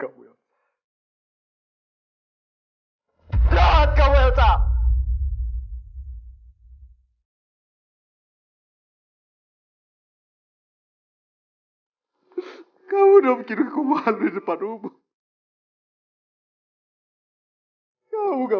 buka pintunya noh buka